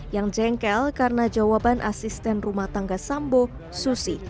yang jengkel karena jawaban asisten rumah tangga sambo susi